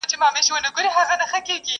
د زمان په لاس کي اوړمه زمولېږم!!